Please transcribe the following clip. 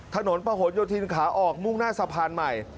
ถนนประหลโยธินขาออกมุ่งหน้าสะพานใหม่